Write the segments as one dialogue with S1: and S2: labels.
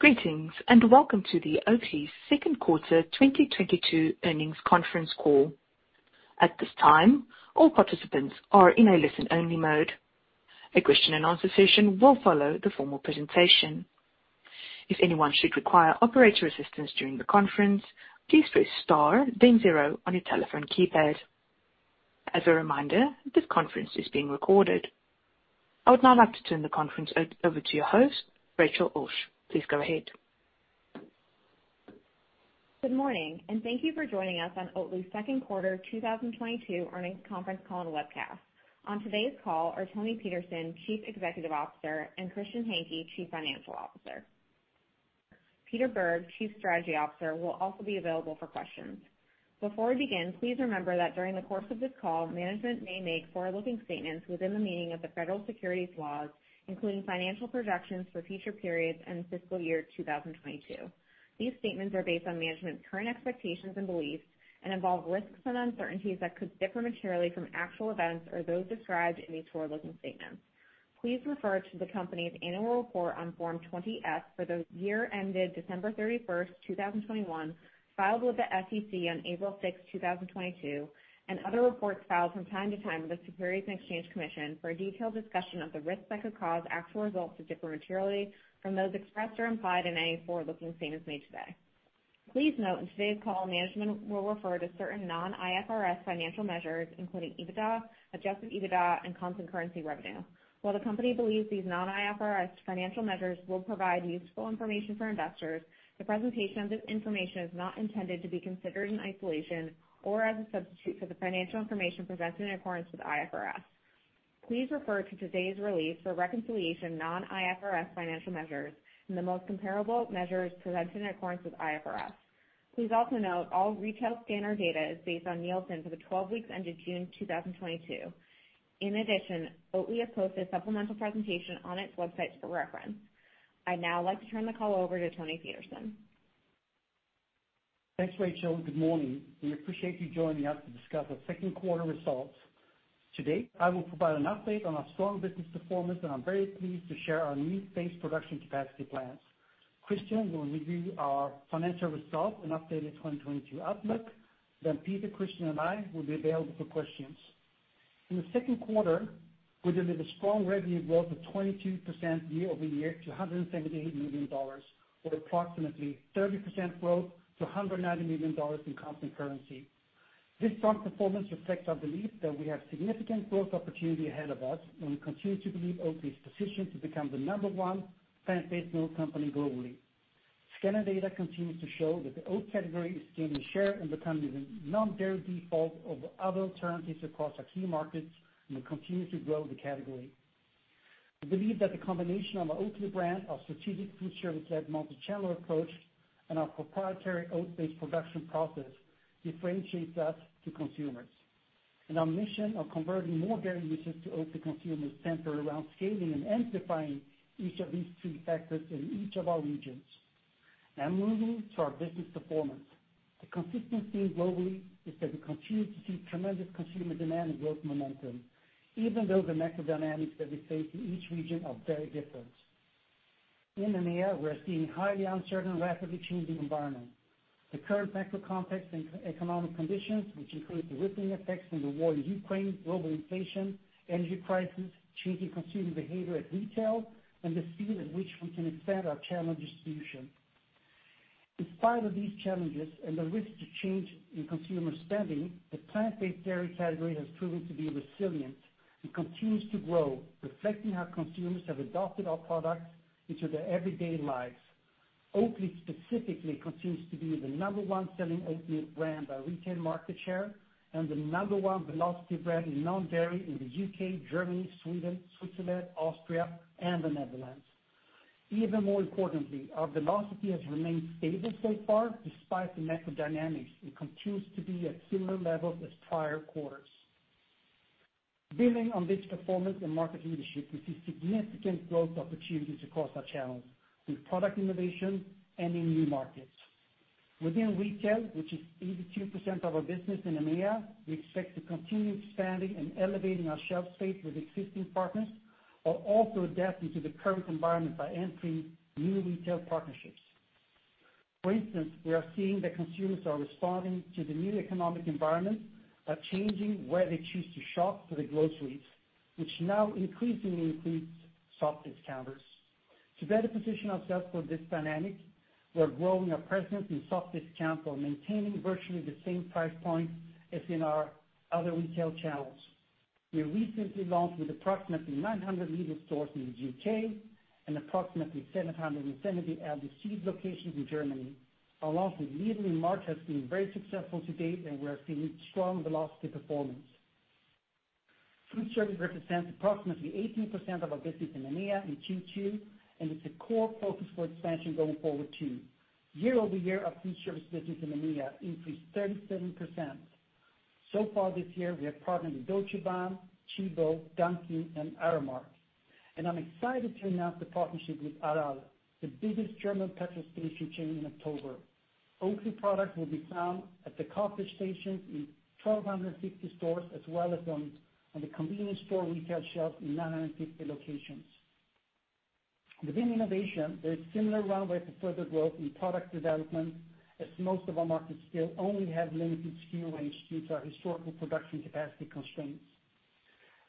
S1: Greetings, and welcome to the Oatly Second Quarter 2022 Earnings Conference Call. At this time, all participants are in a listen-only mode. A question-and-answer session will follow the formal presentation. If anyone should require operator assistance during the conference, please press star then zero on your telephone keypad. As a reminder, this conference is being recorded. I would now like to turn the conference over to your host, Rachel Ulsh. Please go ahead.
S2: Good morning, and thank you for joining us on Oatly Second Quarter 2022 Earnings Conference Call and Webcast. On today's call are Toni Petersson, Chief Executive Officer, and Christian Hanke, Chief Financial Officer. Peter Bergh, Chief Strategy Officer, will also be available for questions. Before we begin, please remember that during the course of this call, management may make forward-looking statements within the meaning of the federal securities laws, including financial projections for future periods and fiscal year 2022. These statements are based on management's current expectations and beliefs and involve risks and uncertainties that could differ materially from actual events or those described in these forward-looking statements. Please refer to the company's Annual Report on Form 20-F for the year ended December 31st, 2021, filed with the SEC on April 6th, 2022, and other reports filed from time to time with the Securities and Exchange Commission for a detailed discussion of the risks that could cause actual results to differ materially from those expressed or implied in any forward-looking statements made today. Please note, in today's call, management will refer to certain non-IFRS financial measures, including EBITDA, Adjusted EBITDA, and constant currency revenue. While the company believes these non-IFRS financial measures will provide useful information for investors, the presentation of this information is not intended to be considered in isolation or as a substitute for the financial information presented in accordance with IFRS. Please refer to today's release for reconciliation non-IFRS financial measures and the most comparable measures presented in accordance with IFRS. Please also note all retail scanner data is based on Nielsen for the 12 weeks ended June 2022. In addition, Oatly has posted a supplemental presentation on its website for reference. I'd now like to turn the call over to Toni Petersson.
S3: Thanks, Rachel. Good morning. We appreciate you joining us to discuss our second quarter results. Today, I will provide an update on our strong business performance, and I'm very pleased to share our new base production capacity plans. Christian will review our financial results and updated 2022 outlook. Then Peter, Christian, and I will be available for questions. In the second quarter, we delivered strong revenue growth of 22% year-over-year to $178 million, or approximately 30% growth to $190 million in constant currency. This strong performance reflects our belief that we have significant growth opportunity ahead of us, and we continue to believe Oatly is positioned to become the number one plant-based milk company globally. Scanner data continues to show that the oat category is gaining share and becoming the non-dairy default over other alternatives across our key markets and will continue to grow the category. We believe that the combination of our Oatly brand, our strategic food service-led multi-channel approach, and our proprietary oat-based production process differentiates us to consumers. Our mission of converting more dairy users to Oatly consumers center around scaling and amplifying each of these three factors in each of our regions. Now moving to our business performance. The consistent theme globally is that we continue to see tremendous consumer demand and growth momentum, even though the macro dynamics that we face in each region are very different. In EMEA, we're seeing highly uncertain, rapidly changing environment. The current macro context and economic conditions, which include the rippling effects from the war in Ukraine, global inflation, energy crisis, changing consumer behavior at retail, and the speed at which we can expand our channel distribution. In spite of these challenges and the risk to change in consumer spending, the plant-based dairy category has proven to be resilient and continues to grow, reflecting how consumers have adopted our products into their everyday lives. Oatly specifically continues to be the number one selling oat milk brand by retail market share and the number one velocity brand in non-dairy in the U.K., Germany, Sweden, Switzerland, Austria, and the Netherlands. Even more importantly, our velocity has remained stable so far despite the macro dynamics and continues to be at similar levels as prior quarters. Building on this performance and market leadership, we see significant growth opportunities across our channels with product innovation and in new markets. Within retail, which is 82% of our business in EMEA, we expect to continue expanding and elevating our shelf space with existing partners while also adapting to the current environment by entering new retail partnerships. For instance, we are seeing that consumers are responding to the new economic environment by changing where they choose to shop for their groceries, which now increasingly includes soft discounters. To better position ourselves for this dynamic, we're growing our presence in soft discount while maintaining virtually the same price point as in our other retail channels. We recently launched with approximately 900 Lidl stores in the U.K. and approximately 770 Aldi Süd locations in Germany. Our launch with Lidl in March has been very successful to date, and we are seeing strong velocity performance. Food service represents approximately 18% of our business in EMEA in Q2, and it's a core focus for expansion going forward too. Year-over-year, our food service business in EMEA increased 37%. So far this year, we have partnered with Deutsche Bahn, Tchibo, Dunkin', and Aramark, and I'm excited to announce the partnership with Aral, the biggest German petrol station chain in October. Oatly products will be found at the coffee stations in 1,250 stores as well as on the convenience store retail shelves in 950 locations. Within innovation, there is similar runway to further growth in product development as most of our markets still only have limited SKU range due to our historical production capacity constraints.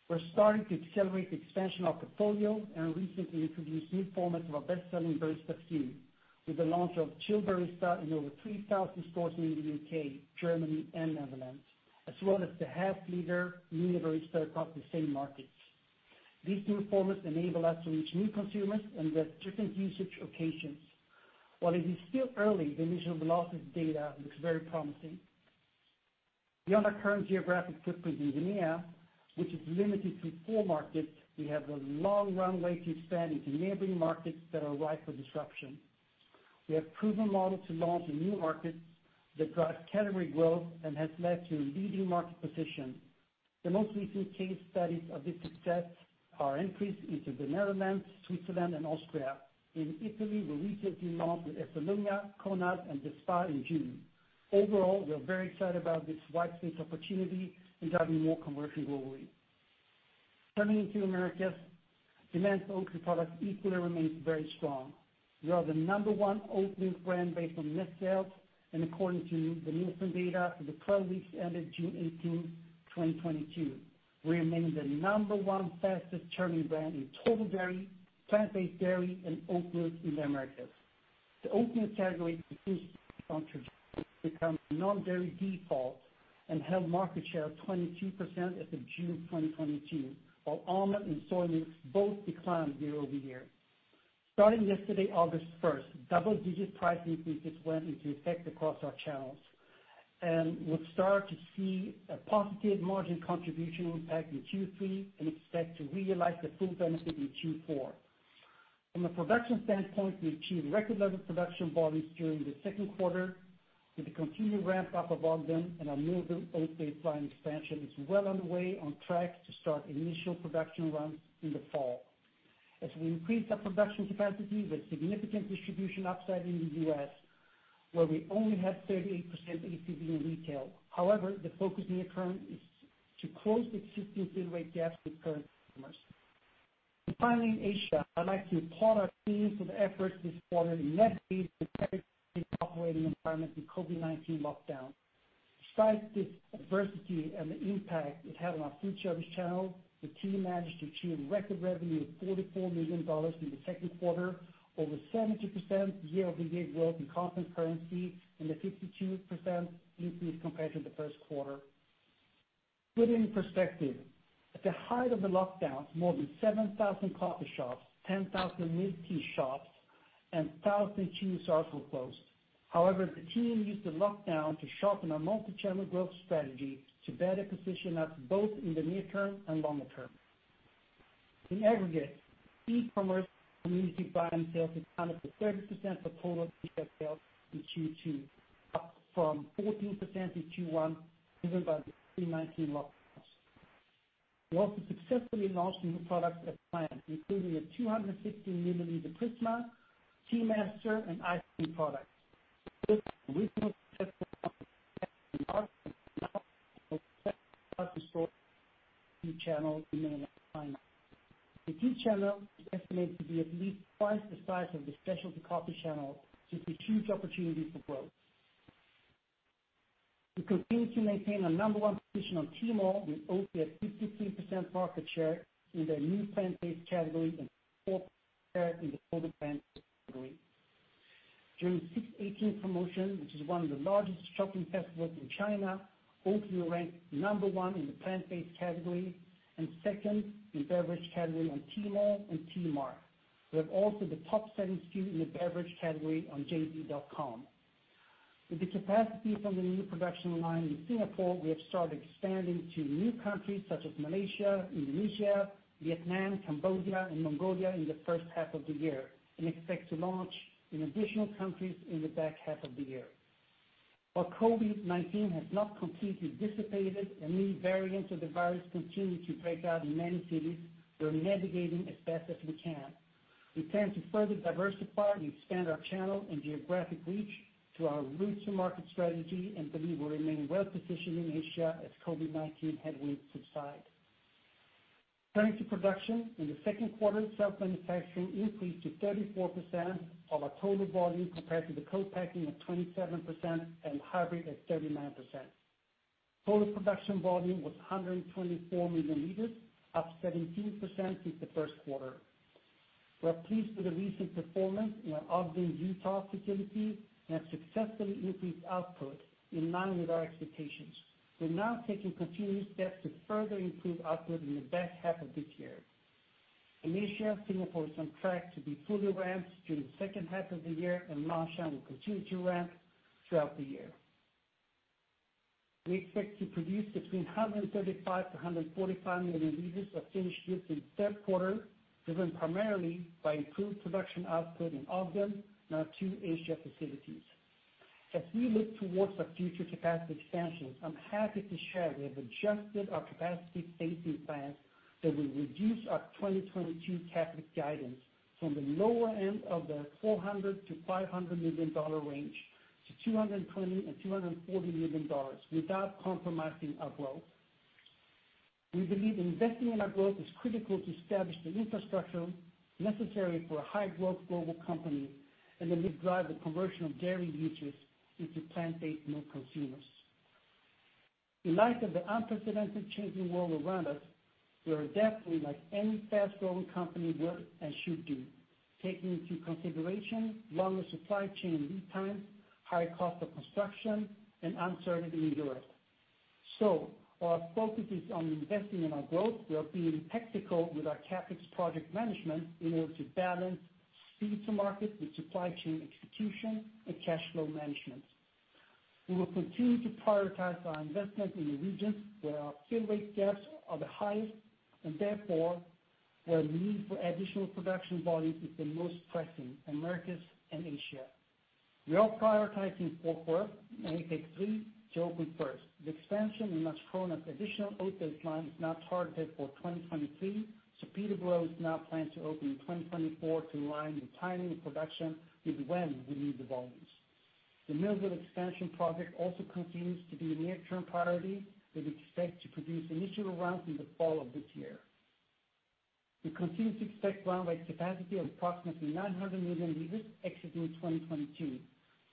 S3: We're starting to accelerate the expansion of portfolio and recently introduced new formats of our best-selling Barista SKU with the launch of Chilled Barista in over 3,000 stores in the U.K., Germany, and Netherlands, as well as the half-liter Mini Barista across the same markets. These new formats enable us to reach new consumers and with different usage occasions. While it is still early, the initial velocity data looks very promising. Beyond our current geographic footprint in EMEA, which is limited to four markets, we have a long runway to expand into neighboring markets that are ripe for disruption. We have a proven model to launch in new markets that drive category growth and has led to a leading market position. The most recent case studies of this success are our entries into the Netherlands, Switzerland, and Austria. In Italy, we recently launched with Esselunga, Conad, and Despar in June. Overall, we are very excited about this white space opportunity and driving more conversion globally. Turning to Americas. Demand for Oatly products equally remains very strong. We are the number one oat milk brand based on net sales and according to the Nielsen data for the 12 weeks ended June 18, 2022. We remain the number one fastest-turning brand in total dairy, plant-based dairy and oat milk in the Americas. The oat milk category continues on trajectory to become the non-dairy default and held market share of 22% as of June 2022, while almond and soy milk both declined year-over-year. Starting yesterday, August 1st, double-digit price increases went into effect across our channels, and we'll start to see a positive margin contribution impact in Q3 and expect to realize the full benefit in Q4. From a production standpoint, we achieved record level production volumes during the second quarter with the continued ramp up of Ogden, and our new oat-based line expansion is well underway on track to start initial production runs in the fall. As we increase our production capacity with significant distribution upside in the U.S., where we only have 38% ACV in retail, however, the focus near term is to close existing distribution gaps with current customers. Finally, in Asia, I'd like to applaud our teams for the efforts this quarter in navigating the very challenging operating environment in COVID-19 lockdown. Despite this adversity and the impact it had on our food service channel, the team managed to achieve record revenue of $44 million in the second quarter, over 70% year-over-year growth in constant currency, and a 52% increase compared to the first quarter. Put it in perspective, at the height of the lockdown, more than 7,000 coffee shops, 10,000 milk tea shops and 1,000 Chinese restaurants were closed. However, the team used the lockdown to sharpen our multi-channel growth strategy to better position us both in the near term and longer term. In aggregate, e-commerce community buy and sell accounted for 30% of total unit sales in Q2, up from 14% in Q1, driven by the COVID-19 lockdowns. We also successfully launched new products as planned, including a 250 ml Prisma, Tea Master and Iced Tea products. The tea channel is estimated to be at least twice the size of the specialty coffee channel with a huge opportunity for growth. We continue to maintain our number one position on Tmall with Oatly at 53% market share in the new plant-based category and fourth share in the total plant-based category. During 618 Promotion, which is one of the largest shopping festivals in China, Oatly ranked number one in the plant-based category and second in beverage category on Tmall and Taobao. We have also the top-selling SKU in the beverage category on JD.com. With the capacity from the new production line in Singapore, we have started expanding to new countries such as Malaysia, Indonesia, Vietnam, Cambodia and Mongolia in the first half of the year and expect to launch in additional countries in the back half of the year. While COVID-19 has not completely dissipated and new variants of the virus continue to break out in many cities, we're navigating as best as we can. We plan to further diversify and expand our channel and geographic reach through our route to market strategy and believe we remain well positioned in Asia as COVID-19 headwinds subside. Turning to production. In the second quarter, self-manufacturing increased to 34% of our total volume compared to the co-packing at 27% and hybrid at 39%. Total production volume was 124 million L, up 17% since the first quarter. We're pleased with the recent performance in our Ogden, Utah facility and have successfully increased output in line with our expectations. We're now taking continuous steps to further improve output in the back half of this year. In Asia, Singapore is on track to be fully ramped during the second half of the year, and Ma'anshan will continue to ramp throughout the year. We expect to produce between 135 million L and 145 million L of finished goods in third quarter, driven primarily by improved production output in Ogden and our two Asia facilities. As we look towards our future capacity expansion, I'm happy to share we have adjusted our capacity phasing plans that will reduce our 2022 CapEx guidance from the lower end of the $400 million-$500 million range to $220 million-$240 million without compromising our growth. We believe investing in our growth is critical to establish the infrastructure necessary for a high-growth global company, and that we drive the conversion of dairy users into plant-based milk consumers. In light of the unprecedented changing world around us, we are adapting like any fast-growing company would and should do, taking into consideration longer supply chain lead times, high cost of construction, and uncertainty in the world. While our focus is on investing in our growth, we are being tactical with our CapEx project management in order to balance speed to market with supply chain execution and cash flow management. We will continue to prioritize our investment in the regions where our share rate gaps are the highest and therefore, where the need for additional production volume is the most pressing, Americas and Asia. We are prioritizing Fort Worth, and we aim to open first. The expansion in Marshfield of additional oat-based line is now targeted for 2023. Peterborough is now planned to open in 2024 to align the timing of production with when we need the volumes. The Millville expansion project also continues to be a near-term priority, we expect to produce initial runs in the fall of this year. We continue to expect run rate capacity of approximately 900 million L exiting 2022,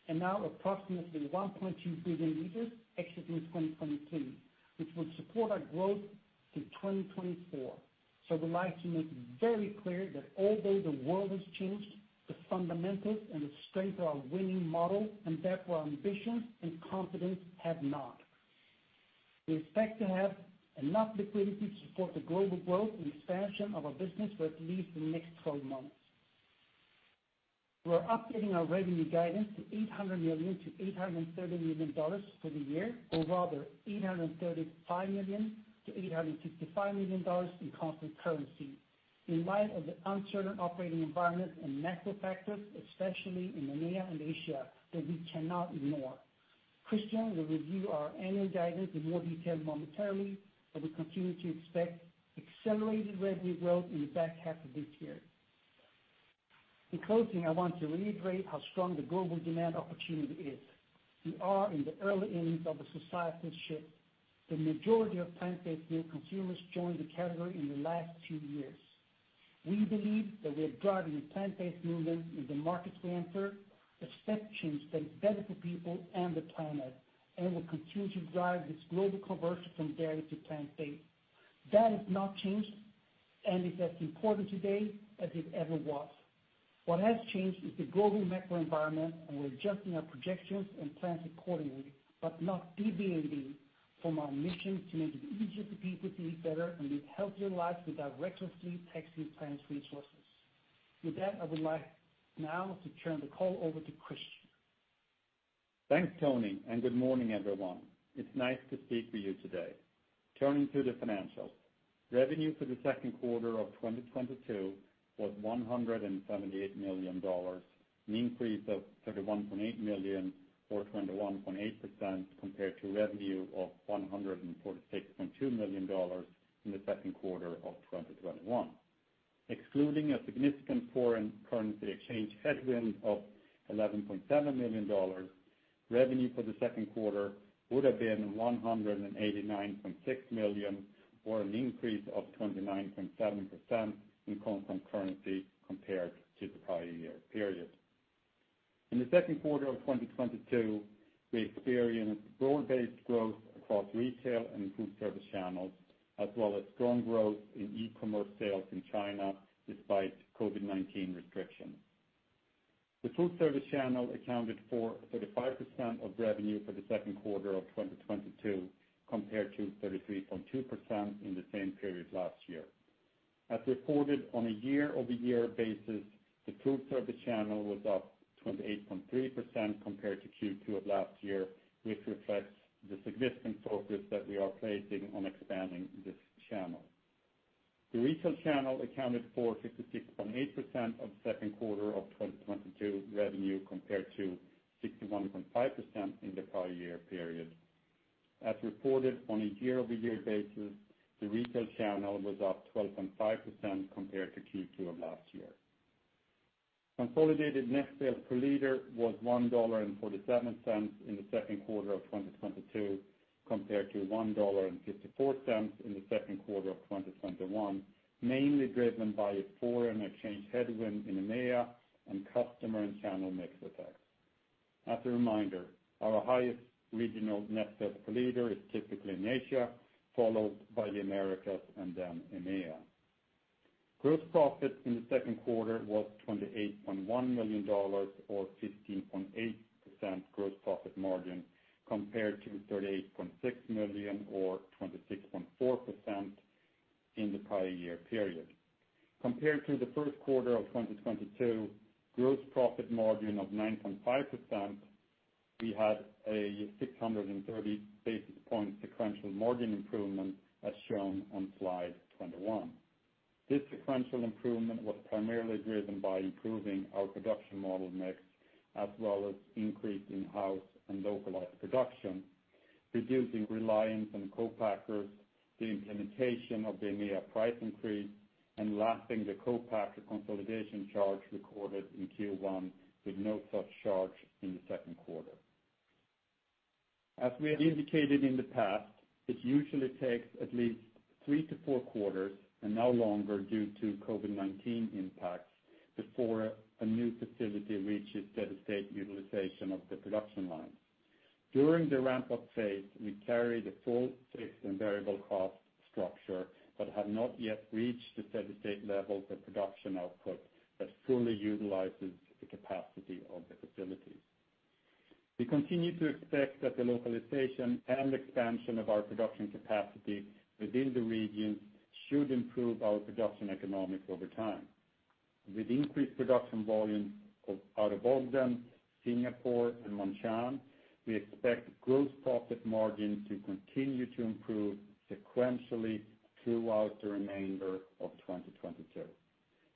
S3: and now approximately 1.2 billion L exiting 2022, which will support our growth through 2024. We'd like to make very clear that although the world has changed, the fundamentals and the strength of our winning model, and therefore our ambition and confidence have not. We expect to have enough liquidity to support the global growth and expansion of our business for at least the next 12 months. We're updating our revenue guidance to $800 million-$830 million for the year, or rather $835 million-$855 million in constant currency, in light of the uncertain operating environment and macro factors, especially in EMEA and Asia, that we cannot ignore. Christian will review our annual guidance in more detail momentarily. We continue to expect accelerated revenue growth in the back half of this year. In closing, I want to reiterate how strong the global demand opportunity is. We are in the early innings of a societal shift. The majority of plant-based milk consumers joined the category in the last two years. We believe that we are driving a plant-based movement in the markets we enter, a step change that is better for people and the planet, and will continue to drive this global conversion from dairy to plant-based. That has not changed, and is as important today as it ever was. What has changed is the global macro environment, and we're adjusting our projections and plans accordingly, but not deviating from our mission to make it easier for people to eat better and live healthier lives without recklessly taxing the planet's resources. With that, I would like now to turn the call over to Christian.
S4: Thanks, Toni, and good morning, everyone. It's nice to speak with you today. Turning to the financials. Revenue for the second quarter of 2022 was $178 million, an increase of $31.8 million or 21.8% compared to revenue of $146.2 million in the second quarter of 2021. Excluding a significant foreign currency exchange headwind of $11.7 million, revenue for the second quarter would have been $189.6 million, or an increase of 29.7% in constant currency compared to the prior year period. In the second quarter of 2022, we experienced broad-based growth across retail and food service channels, as well as strong growth in e-commerce sales in China despite COVID-19 restrictions. The food service channel accounted for 35% of revenue for the second quarter of 2022, compared to 33.2% in the same period last year. As reported on a year-over-year basis, the food service channel was up 28.3% compared to Q2 of last year, which reflects the significant focus that we are placing on expanding this channel. The retail channel accounted for 66.8% of second quarter of 2022 revenue compared to 61.5% in the prior year period. As reported on a year-over-year basis, the retail channel was up 12.5% compared to Q2 of last year. Consolidated net sales per liter was $1.47 in the second quarter of 2022, compared to $1.54 in the second quarter of 2021, mainly driven by a foreign exchange headwind in EMEA and customer and channel mix effects. Our highest regional net sales per liter is typically in Asia, followed by the Americas and then EMEA. Gross profit in the second quarter was $28.1 million or 15.8% gross profit margin compared to $38.6 million or 26.4% in the prior year period. Compared to the first quarter of 2022 gross profit margin of 9.5%, we had a 630 basis point sequential margin improvement as shown on slide 21. This sequential improvement was primarily driven by improving our production model mix, as well as increased in-house and localized production, reducing reliance on co-packers, the implementation of the EMEA price increase, and lapping the co-packer consolidation charge recorded in Q1 with no such charge in the second quarter. As we have indicated in the past, it usually takes at least three to four quarters and no longer due to COVID-19 impacts before a new facility reaches steady-state utilization of the production line. During the ramp-up phase, we carry the full fixed and variable cost structure, but have not yet reached the steady-state level of the production output that fully utilizes the capacity of the facilities. We continue to expect that the localization and expansion of our production capacity within the region should improve our production economics over time. With increased production volume out of Ogden, Singapore, and Ma'anshan, we expect gross profit margin to continue to improve sequentially throughout the remainder of 2022.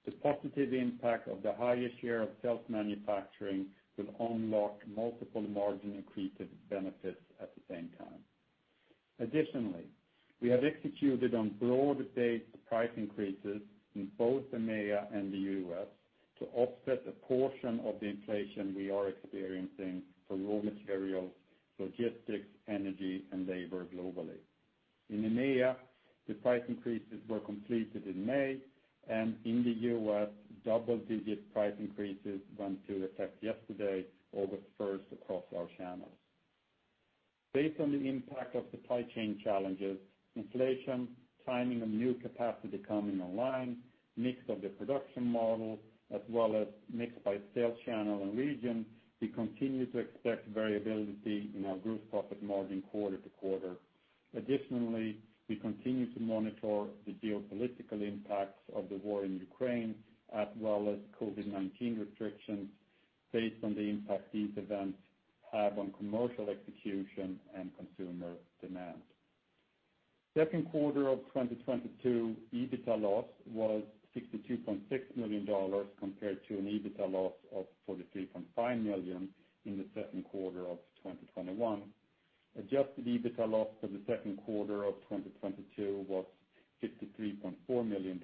S4: The positive impact of the highest year of self-manufacturing will unlock multiple margin accretive benefits at the same time. Additionally, we have executed on broad-based price increases in both EMEA and the U.S. to offset a portion of the inflation we are experiencing for raw materials, logistics, energy, and labor globally. In EMEA, the price increases were completed in May, and in the U.S., double-digit price increases went into effect yesterday, August 1st, across our channels. Based on the impact of supply chain challenges, inflation, timing of new capacity coming online, mix of the production model, as well as mix by sales channel and region, we continue to expect variability in our gross profit margin quarter-to-quarter. Additionally, we continue to monitor the geopolitical impacts of the war in Ukraine, as well as COVID-19 restrictions based on the impact these events have on commercial execution and consumer demand. Second quarter of 2022, EBITDA loss was $62.6 million compared to an EBITDA loss of $43.5 million in the second quarter of 2021. Adjusted EBITDA loss for the second quarter of 2022 was $53.4 million.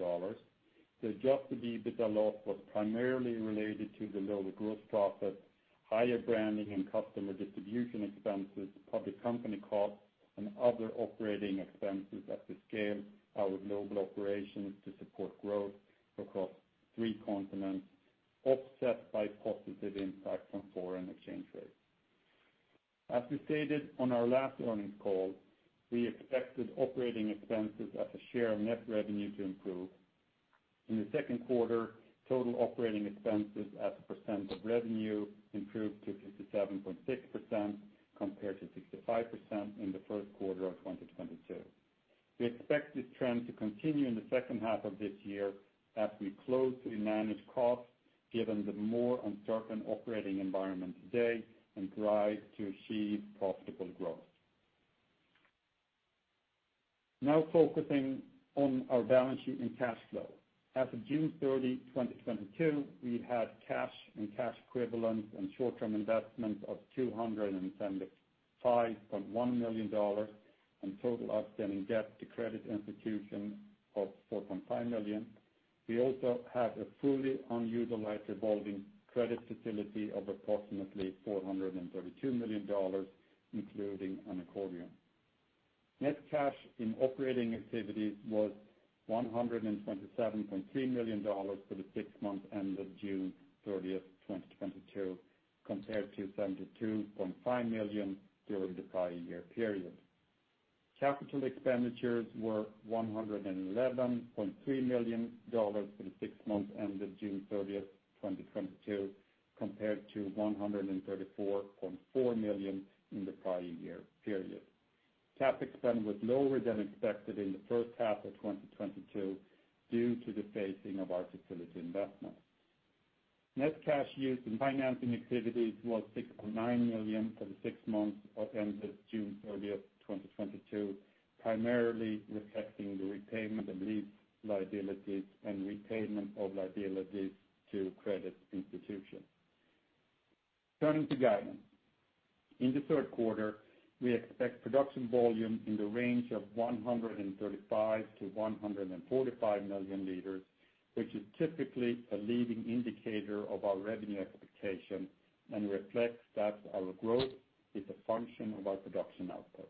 S4: The Adjusted EBITDA loss was primarily related to the lower gross profit, higher branding and customer distribution expenses, public company costs, and other operating expenses as we scale our global operations to support growth across three continents, offset by positive impact from foreign exchange rates. As we stated on our last earnings call, we expected operating expenses as a share of net revenue to improve. In the second quarter, total operating expenses as a percent of revenue improved to 57.6% compared to 65% in the first quarter of 2022. We expect this trend to continue in the second half of this year as we closely manage costs given the more uncertain operating environment today and drive to achieve profitable growth. Now focusing on our balance sheet and cash flow. As of June 30th, 2022, we had cash and cash equivalents and short-term investments of $210.51 million and total outstanding debt to credit institutions of $4.5 million. We also have a fully unutilized revolving credit facility of approximately $432 million, including an accordion. Net cash in operating activities was $127.3 million for the six months ended June 30th, 2022, compared to $72.5 million during the prior year period. Capital expenditures were $111.3 million for the six months ended June 30th, 2022, compared to $134.4 million in the prior year period. CapEx was lower than expected in the first half of 2022 due to the phasing of our facility investment. Net cash used in financing activities was $6.9 million for the six months ended June 30th, 2022, primarily reflecting the repayment of lease liabilities and repayment of liabilities to credit institutions. Turning to guidance. In the third quarter, we expect production volume in the range of 135 million L-145 million L, which is typically a leading indicator of our revenue expectation and reflects that our growth is a function of our production output.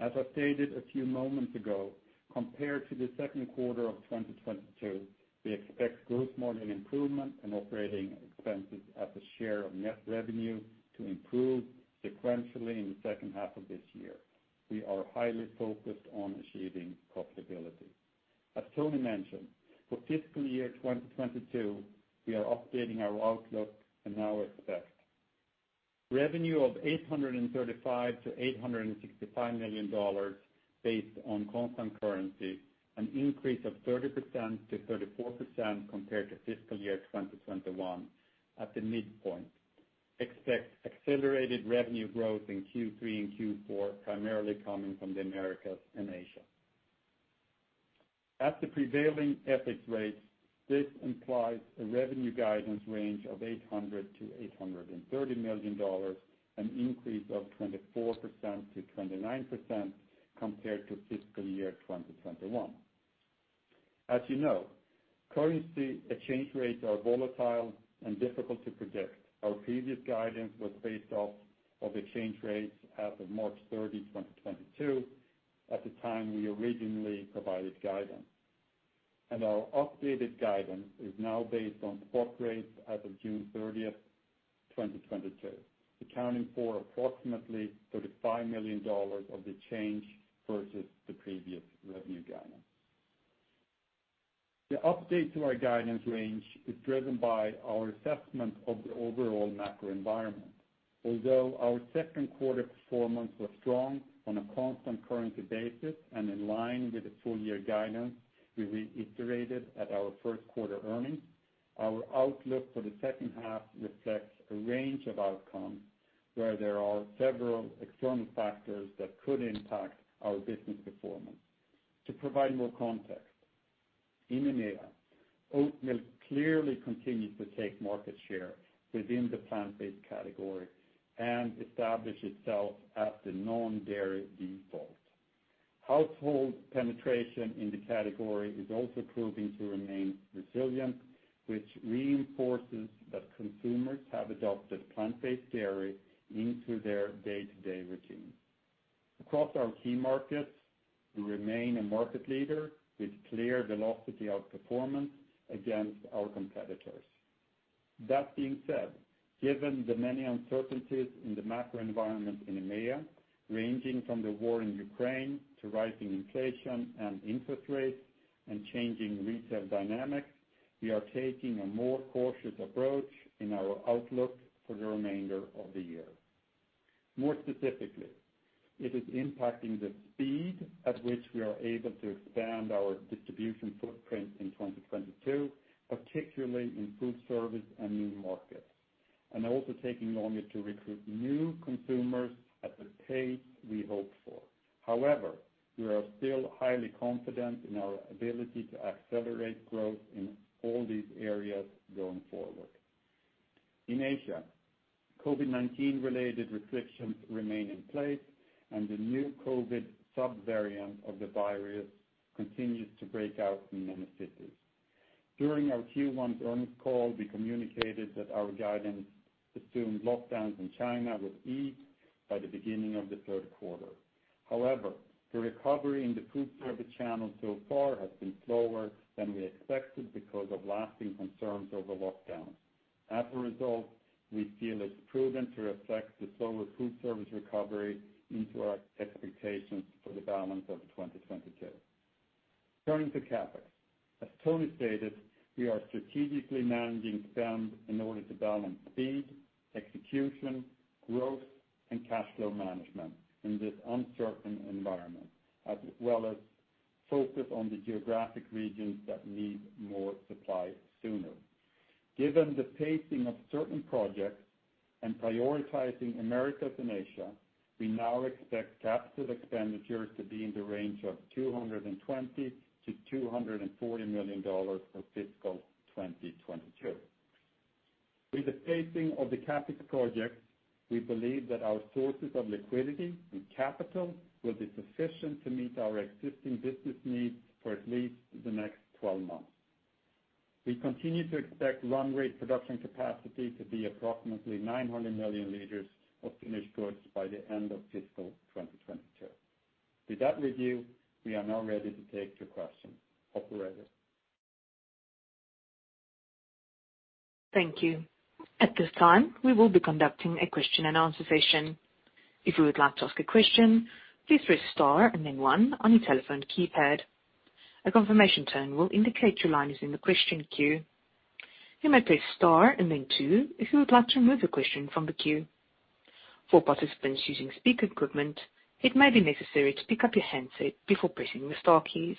S4: As I stated a few moments ago, compared to the second quarter of 2022, we expect gross margin improvement and operating expenses as a share of net revenue to improve sequentially in the second half of this year. We are highly focused on achieving profitability. As Toni mentioned, for fiscal year 2022, we are updating our outlook and our expect. Revenue of $835 million-$865 million based on constant currency, an increase of 30%-34% compared to fiscal year 2021 at the midpoint. Expect accelerated revenue growth in Q3 and Q4, primarily coming from the Americas and Asia. At the prevailing FX rates, this implies a revenue guidance range of $800 million-$830 million, an increase of 24%-29% compared to fiscal year 2021. As you know, currency exchange rates are volatile and difficult to predict. Our previous guidance was based off of exchange rates as of March 30, 2022, at the time we originally provided guidance. Our updated guidance is now based on spot rates as of June 30th, 2022, accounting for approximately $35 million of the change versus the previous revenue guidance. The update to our guidance range is driven by our assessment of the overall macro environment. Although our second quarter performance was strong on a constant currency basis and in line with the full year guidance we reiterated at our first quarter earnings, our outlook for the second half reflects a range of outcomes where there are several external factors that could impact our business performance. To provide more context, in EMEA, oat milk clearly continues to take market share within the plant-based category and establish itself as the non-dairy default. Household penetration in the category is also proving to remain resilient, which reinforces that consumers have adopted plant-based dairy into their day-to-day routine. Across our key markets, we remain a market leader with clear velocity outperformance against our competitors. That being said, given the many uncertainties in the macro environment in EMEA, ranging from the war in Ukraine to rising inflation and interest rates and changing retail dynamics, we are taking a more cautious approach in our outlook for the remainder of the year. More specifically, it is impacting the speed at which we are able to expand our distribution footprint in 2022, particularly in food service and new markets, and also taking longer to recruit new consumers at the pace we hoped for. However, we are still highly confident in our ability to accelerate growth in all these areas going forward. In Asia, COVID-19 related restrictions remain in place, and the new COVID subvariant of the virus continues to break out in many cities. During our Q1 earnings call, we communicated that our guidance assumed lockdowns in China would ease by the beginning of the third quarter. However, the recovery in the food service channel so far has been slower than we expected because of lasting concerns over lockdowns. As a result, we feel it's prudent to reflect the slower food service recovery into our expectations for the balance of 2022. Turning to CapEx. As Toni stated, we are strategically managing spend in order to balance speed, execution, growth, and cash flow management in this uncertain environment, as well as focus on the geographic regions that need more supply sooner. Given the pacing of certain projects and prioritizing Americas and Asia, we now expect capital expenditures to be in the range of $220 million-$240 million for fiscal 2022. With the pacing of the CapEx projects, we believe that our sources of liquidity and capital will be sufficient to meet our existing business needs for at least the next 12 months. We continue to expect run rate production capacity to be approximately 900 million L of finished goods by the end of fiscal 2022. With that with you, we are now ready to take your questions. Operator?
S1: Thank you. At this time, we will be conducting a question-and-answer session. If you would like to ask a question, please press star and then one on your telephone keypad. A confirmation tone will indicate your line is in the question queue. You may press star and then two if you would like to remove your question from the queue. For participants using speaker equipment, it may be necessary to pick up your handset before pressing the star keys.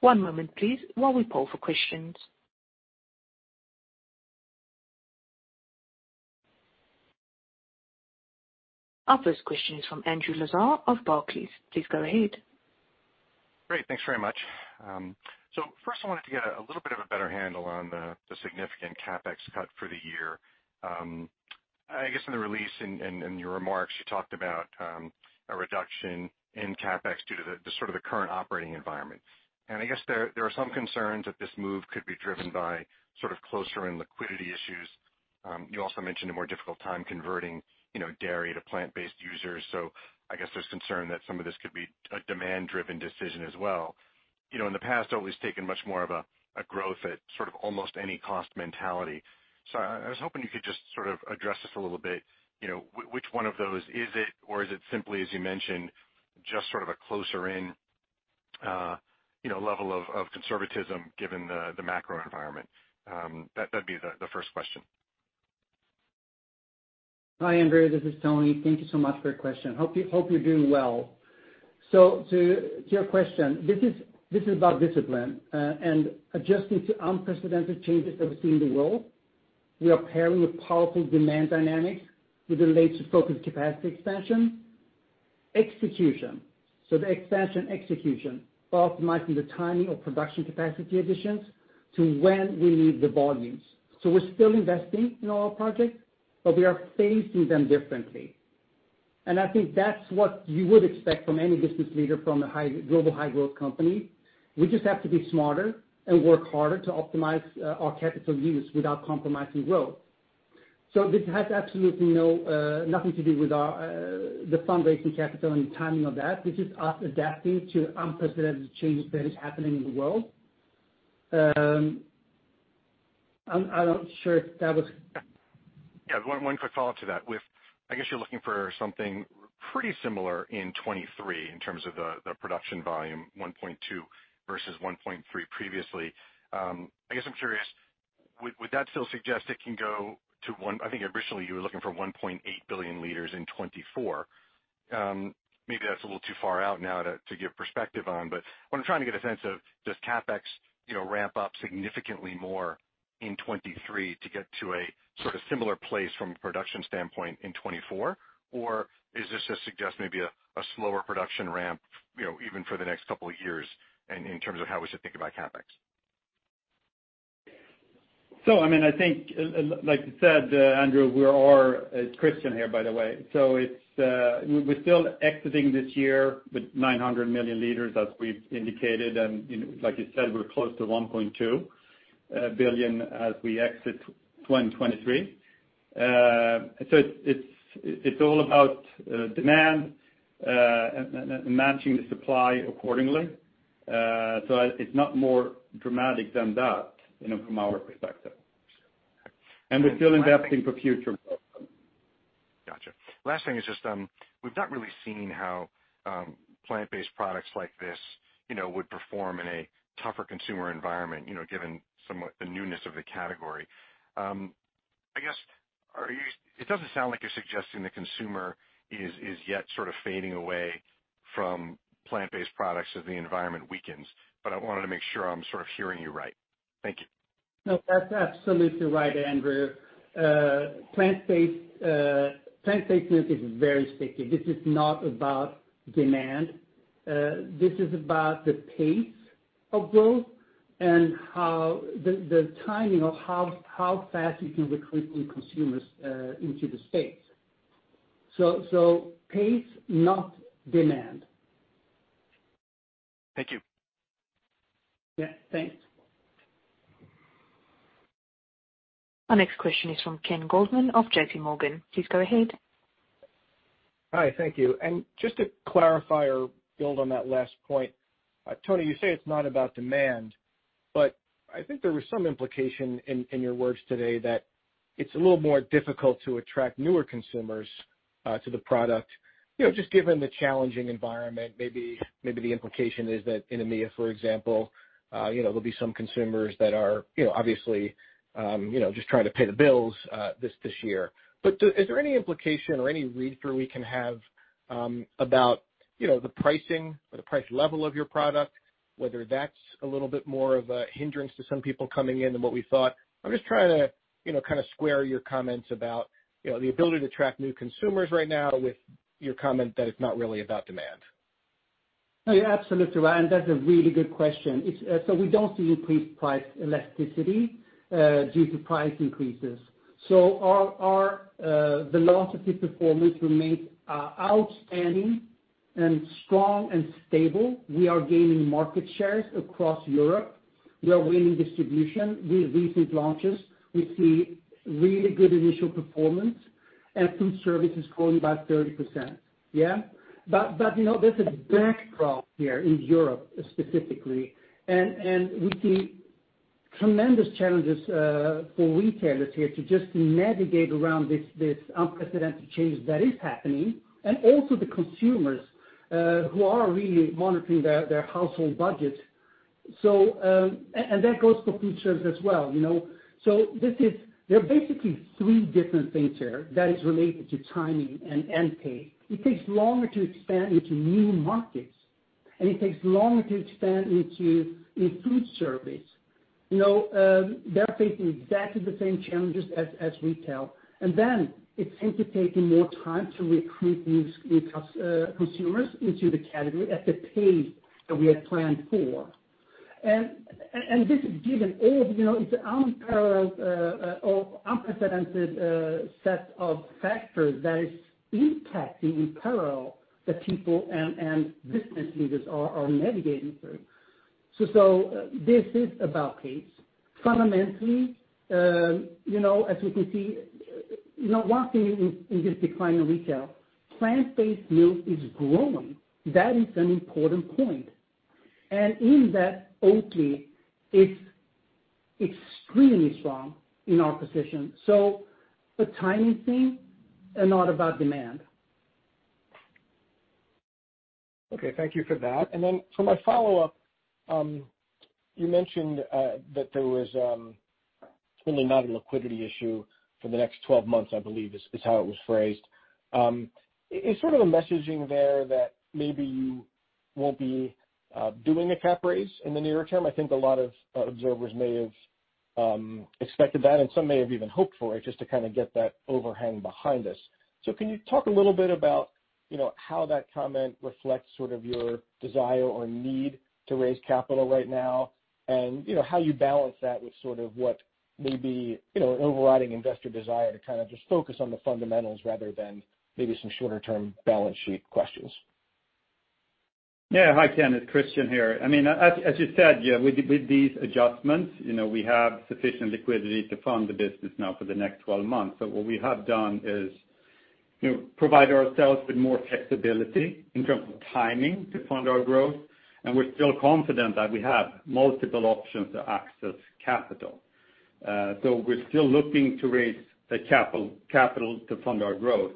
S1: One moment please while we poll for questions. Our first question is from Andrew Lazar of Barclays. Please go ahead.
S5: Great. Thanks very much. So first I wanted to get a little bit of a better handle on the significant CapEx cut for the year. I guess in the release and your remarks, you talked about a reduction in CapEx due to the sort of current operating environment. I guess there are some concerns that this move could be driven by sort of closer in liquidity issues. You also mentioned a more difficult time converting, you know, dairy to plant-based users. I guess there's concern that some of this could be a demand-driven decision as well. You know, in the past, always taken much more of a growth at sort of almost any cost mentality. I was hoping you could just sort of address this a little bit, you know, which one of those is it, or is it simply, as you mentioned, just sort of a closer in, you know, level of conservatism given the macro environment? That'd be the first question.
S3: Hi, Andrew. This is Toni. Thank you so much for your question. Hope you're doing well. To your question, this is about discipline and adjusting to unprecedented changes that we've seen in the world. We are pairing with powerful demand dynamics with a laser-focused capacity expansion. Execution. The expansion execution, optimizing the timing of production capacity additions to when we need the volumes. We're still investing in all our projects, but we are phasing them differently. I think that's what you would expect from any business leader from a global high-growth company. We just have to be smarter and work harder to optimize our capital use without compromising growth. This has absolutely no nothing to do with our the fundraising capital and the timing of that. This is us adapting to unprecedented changes that is happening in the world. I'm not sure if that was
S5: Yeah. One quick follow-up to that. With, I guess you're looking for something pretty similar in 2023 in terms of the production volume, 1.2 billion L versus 1.3 billion L previously. I guess I'm curious, would that still suggest it can go to 1.8. I think originally you were looking for 1.8 billion L in 2024. Maybe that's a little too far out now to give perspective on, but what I'm trying to get a sense of, does CapEx, you know, ramp up significantly more in 2023 to get to a sort of similar place from a production standpoint in 2024? Or is this to suggest maybe a slower production ramp, you know, even for the next couple of years in terms of how we should think about CapEx?
S4: I mean, I think, like you said, Andrew. It's Christian here, by the way. We're still exiting this year with 900 million L, as we've indicated, and, you know, like you said, we're close to 1.2 billion L as we exit 2023. It's all about demand and matching the supply accordingly. It's not more dramatic than that, you know, from our perspective. We're still investing for future growth.
S5: Gotcha. Last thing is just, we've not really seen how, plant-based products like this, you know, would perform in a tougher consumer environment, you know, given some of the newness of the category. I guess, it doesn't sound like you're suggesting the consumer is yet sort of fading away from plant-based products as the environment weakens, but I wanted to make sure I'm sort of hearing you right. Thank you.
S3: No, that's absolutely right, Andrew. Plant-based milk is very sticky. This is not about demand. This is about the pace of growth and how the timing of how fast you can recruit new consumers into the space. Pace, not demand.
S5: Thank you.
S3: Yeah. Thanks.
S1: Our next question is from Ken Goldman of JPMorgan. Please go ahead.
S6: Hi. Thank you. Just to clarify or build on that last point, Toni, you say it's not about demand, but I think there was some implication in your words today that it's a little more difficult to attract newer consumers to the product. You know, just given the challenging environment, maybe the implication is that in EMEA, for example, you know, there'll be some consumers that are, you know, obviously, you know, just trying to pay the bills this year. Is there any implication or any read-through we can have, about, you know, the pricing or the price level of your product, whether that's a little bit more of a hindrance to some people coming in than what we thought? I'm just trying to, you know, kind of square your comments about, you know, the ability to attract new consumers right now with your comment that it's not really about demand.
S3: No, you're absolutely right, and that's a really good question. We don't see increased price elasticity due to price increases. Our velocity performance remains outstanding and strong and stable. We are gaining market shares across Europe. We are winning distribution with recent launches. We see really good initial performance, and food service is growing by 30%. You know, there's a backdrop here in Europe specifically, and we see tremendous challenges for retailers here to just navigate around this unprecedented change that is happening and also the consumers who are really monitoring their household budget. That goes for food service as well, you know? There are basically three different things here that is related to timing and pay. It takes longer to expand into new markets, and it takes longer to expand into food service. You know, they're facing exactly the same challenges as retail. It seems to be taking more time to recruit these new consumers into the category at the pace that we had planned for. This is given all of, you know, it's unparalleled or unprecedented set of factors that is impacting in parallel the people and business leaders are navigating through. This is about pace. Fundamentally, you know, as you can see, you know, one thing in this decline of retail, plant-based milk is growing. That is an important point. In that, Oatly is extremely strong in our position. A timing thing and not about demand.
S6: Okay. Thank you for that. Then for my follow-up, you mentioned that there was—It's really not a liquidity issue for the next 12 months, I believe is how it was phrased. Is sort of a messaging there that maybe you won't be doing a cap raise in the nearer term. I think a lot of observers may have expected that, and some may have even hoped for it just to kinda get that overhang behind us. Can you talk a little bit about, you know, how that comment reflects sort of your desire or need to raise capital right now, and, you know, how you balance that with sort of what may be, you know, an overriding investor desire to kind of just focus on the fundamentals rather than maybe some shorter term balance sheet questions.
S4: Yeah. Hi, Ken. It's Christian here. I mean, as you said, yeah, with these adjustments, you know, we have sufficient liquidity to fund the business now for the next 12 months. What we have done is, you know, provide ourselves with more flexibility in terms of timing to fund our growth, and we're still confident that we have multiple options to access capital. We're still looking to raise the capital to fund our growth.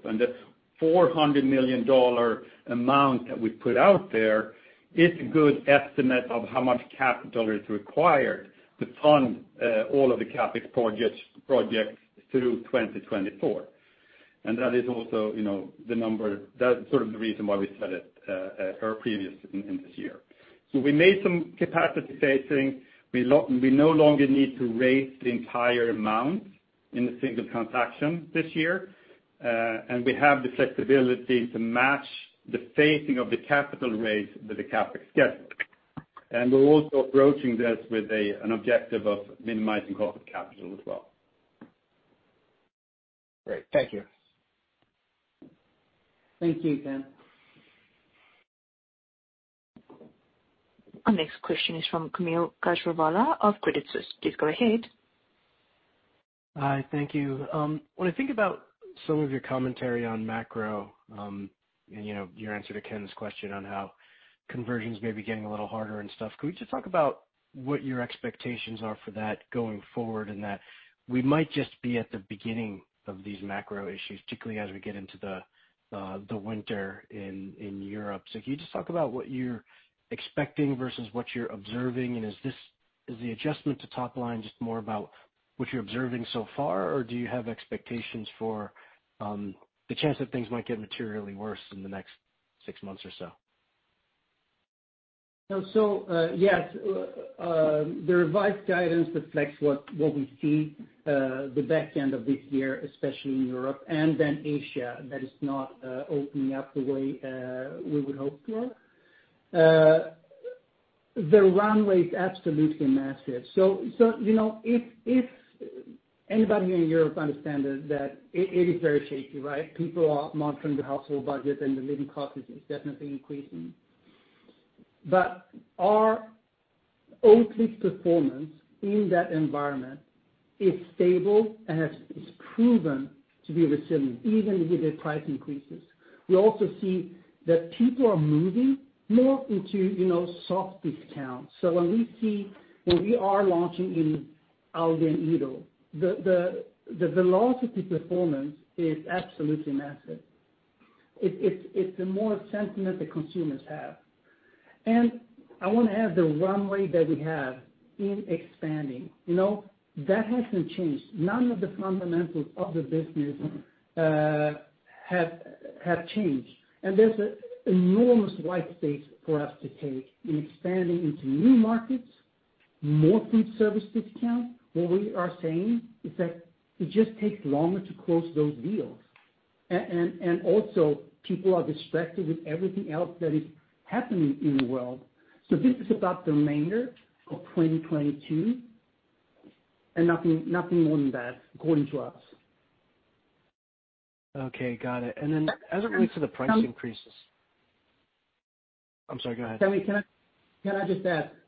S4: The $400 million amount that we put out there is a good estimate of how much capital is required to fund all of the CapEx projects through 2024. That is also, you know, the number, that's sort of the reason why we said it at our previous Investor Day this year. We made some capacity phasing. We no longer need to raise the entire amount in a single transaction this year, and we have the flexibility to match the phasing of the capital raise with the CapEx schedule. We're also approaching this with an objective of minimizing cost of capital as well.
S6: Great. Thank you.
S3: Thank you, Ken.
S1: Our next question is from Kaumil Gajrawala of Credit Suisse. Please go ahead.
S7: Hi. Thank you. When I think about some of your commentary on macro, and, you know, your answer to Ken's question on how conversions may be getting a little harder and stuff, could you just talk about what your expectations are for that going forward, in that we might just be at the beginning of these macro issues, particularly as we get into the winter in Europe? Can you just talk about what you're expecting versus what you're observing, and is this the adjustment to top line just more about what you're observing so far, or do you have expectations for the chance that things might get materially worse in the next six months or so?
S3: No. Yes. The revised guidance reflects what we see, the back end of this year, especially in Europe and then Asia, that is not opening up the way we would hope for. The runway is absolutely massive. You know, if anybody here in Europe understand that, it is very shaky, right? People are monitoring the household budget, and the cost of living is definitely increasing. Our Oatly performance in that environment is stable and has proven to be resilient, even with the price increases. We also see that people are moving more into, you know, soft discounts. When we are launching in Aldi and Lidl, the velocity performance is absolutely massive. It's more a sentiment that consumers have. I wanna add the runway that we have in expanding. You know, that hasn't changed. None of the fundamentals of the business have changed. There's an enormous white space for us to take in expanding into new markets, more food service discounts. What we are saying is that it just takes longer to close those deals. Also people are distracted with everything else that is happening in the world. This is about the remainder of 2022 and nothing more than that, according to us.
S7: Okay, got it. As it relates to the price increases.
S3: Can we-
S7: I'm sorry, go ahead.
S3: Can I just add, with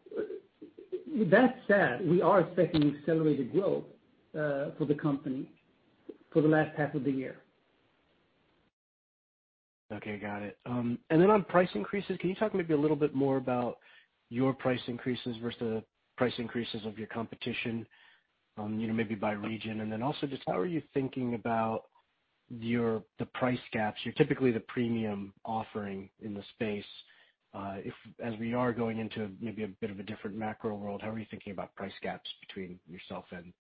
S3: that said, we are expecting accelerated growth for the company for the last half of the year.
S7: Okay, got it. On price increases, can you talk maybe a little bit more about your price increases versus price increases of your competition, you know, maybe by region? Also just how are you thinking about the price gaps? You're typically the premium offering in the space. As we are going into maybe a bit of a different macro world, how are you thinking about price gaps between yourself and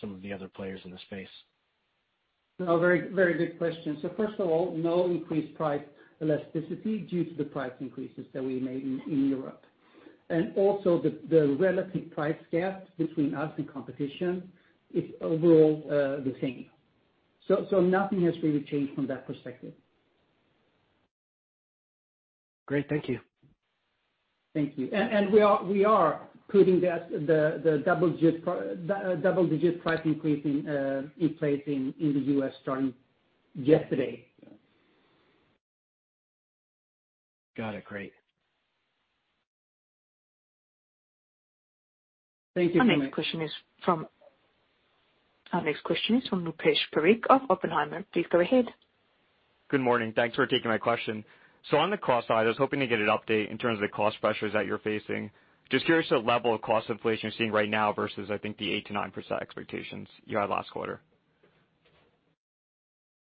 S7: some of the other players in the space?
S3: No, very, very good question. First of all, no increased price elasticity due to the price increases that we made in Europe. Also the relative price gap between us and competition is overall the same. Nothing has really changed from that perspective.
S7: Great. Thank you.
S3: Thank you. We are putting the double-digit price increase in place in the U.S. starting yesterday.
S7: Got it. Great.
S3: Thank you, Kaumil.
S1: Our next question is from Rupesh Parikh of Oppenheimer. Please go ahead.
S8: Good morning. Thanks for taking my question. On the cost side, I was hoping to get an update in terms of the cost pressures that you're facing. Just curious the level of cost inflation you're seeing right now versus, I think, the 8%-9% expectations you had last quarter?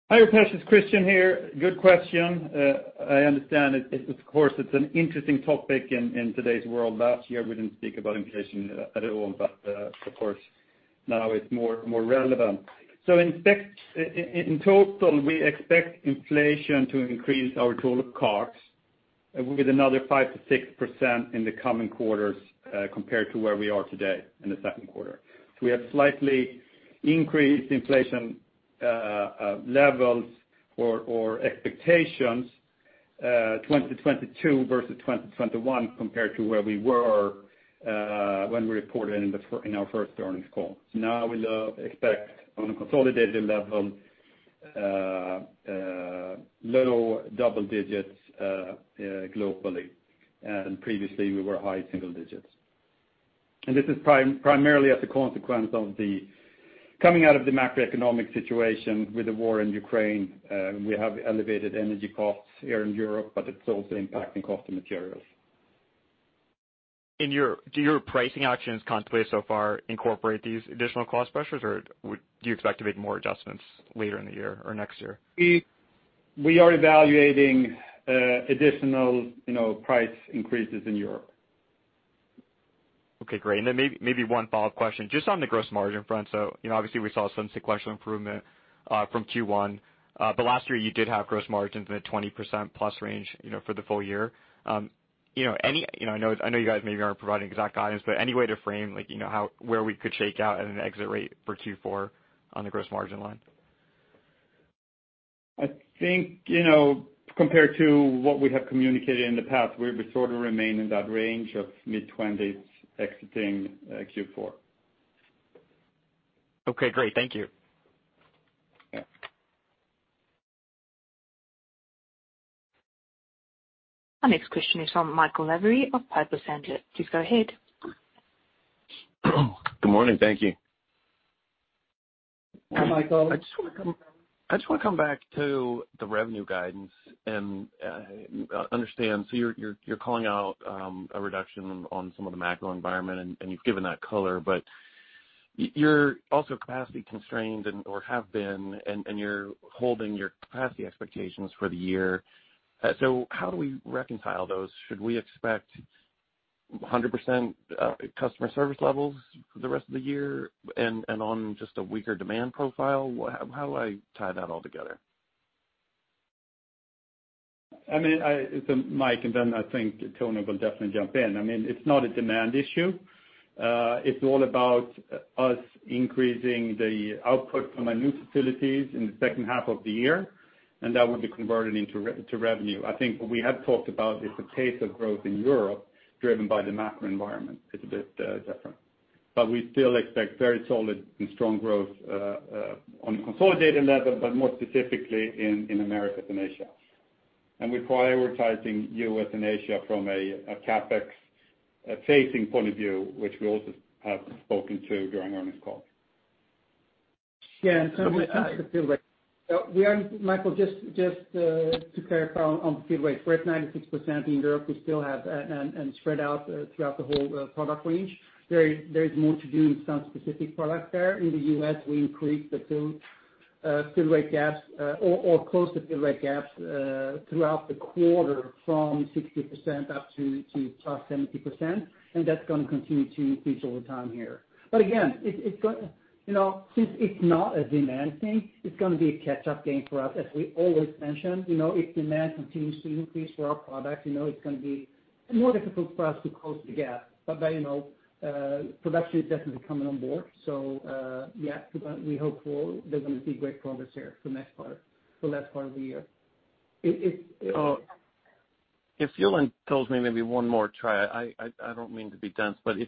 S4: Hi, Rupesh. Christian here. Good question. I understand it. Of course, it's an interesting topic in today's world. Last year, we didn't speak about inflation at all, but of course, now it's more relevant. In total, we expect inflation to increase our total costs with another 5%-6% in the coming quarters, compared to where we are today in the second quarter. We have slightly increased inflation levels or expectations, 2022 versus 2021 compared to where we were when we reported in our first earnings call. Now we expect on a consolidated level, low double digits, globally. Previously, we were high single digits. This is primarily as a consequence of the coming out of the macroeconomic situation with the war in Ukraine. We have elevated energy costs here in Europe, but it's also impacting cost of materials.
S8: Do your pricing actions contemplated so far incorporate these additional cost pressures, or do you expect to make more adjustments later in the year or next year?
S4: We are evaluating additional, you know, price increases in Europe.
S8: Okay, great. Maybe one follow-up question just on the gross margin front. You know, obviously, we saw some sequential improvement from Q1. Last year you did have gross margins in the 20%+ range, you know, for the full year. You know, I know you guys maybe aren't providing exact guidance, but any way to frame like, you know, where we could shake out at an exit rate for Q4 on the gross margin line?
S4: I think, you know, compared to what we have communicated in the past, we sort of remain in that range of mid-20%s exiting Q4.
S8: Okay, great. Thank you.
S4: Yeah.
S1: Our next question is from Michael Lavery of Piper Sandler. Please go ahead.
S9: Good morning. Thank you.
S3: Hi, Michael.
S9: I just wanna come back to the revenue guidance and understand. You're calling out a reduction on some of the macro environment, and you've given that color, but you're also capacity constrained or have been, and you're holding your capacity expectations for the year. How do we reconcile those? Should we expect 100% customer service levels for the rest of the year and on just a weaker demand profile? How do I tie that all together?
S4: I mean, Mike, and then I think Toni will definitely jump in. I mean, it's not a demand issue. It's all about us increasing the output from our new facilities in the second half of the year, and that will be converted into revenue. I think what we have talked about is the pace of growth in Europe driven by the macro environment is a bit different. We still expect very solid and strong growth on a consolidated level, but more specifically in Americas and Asia. We're prioritizing U.S. and Asia from a CapEx facing point of view, which we also have spoken to during earnings call.
S3: When it comes to the fill rate. Michael, just to clarify on the fill rate. We're at 96% in Europe. We still have and spread out throughout the whole product range. There is more to do in some specific products there. In the U.S., we increased the fill rate gaps or closed the fill rate gaps throughout the quarter from 60% up to 70%+, and that's gonna continue to increase over time here. Again, you know, since it's not a demand thing, it's gonna be a catch-up game for us, as we always mentioned. You know, if demand continues to increase for our products, you know, it's gonna be more difficult for us to close the gap. You know, production is definitely coming on board. We're hoping there's gonna be great progress here for next quarter for last part of the year.
S9: If Toni tells me maybe one more try, I don't mean to be dense, but if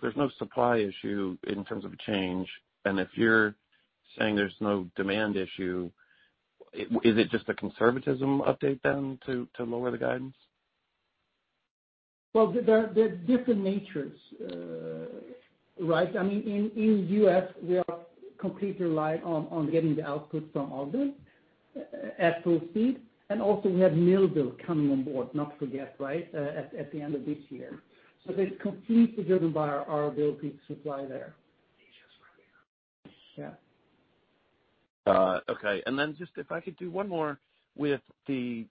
S9: there's no supply issue in terms of change, and if you're saying there's no demand issue, is it just a conservatism update then to lower the guidance?
S3: Well, there are different natures, right? I mean, in U.S., we are completely reliant on getting the output from August at full speed. Also we have Millville coming on board, not to forget, right, at the end of this year. It's completely driven by our ability to supply there.
S4: Asia's right here.
S3: Yeah.
S9: Okay. Just if I could do one more with the